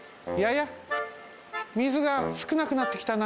やっ水がすくなくなってきたな。